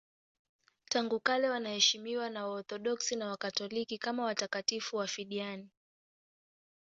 Tangu kale wanaheshimiwa na Waorthodoksi na Wakatoliki kama watakatifu wafiadini.